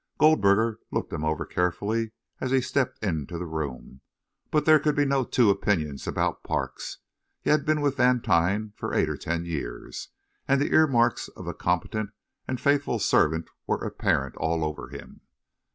Goldberger looked him over carefully as he stepped into the room; but there could be no two opinions about Parks. He had been with Vantine for eight or ten years, and the earmarks of the competent and faithful servant were apparent all over him.